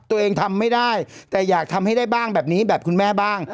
ตัวเองทำไม่ได้แต่อยากทำให้ได้บ้างแบบนี้แบบคุณแม่บ้าง